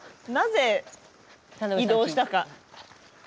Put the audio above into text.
なぜ移動したか。